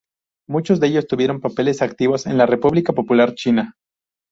Muchos de ellos tuvieron papeles activos en la República Popular China.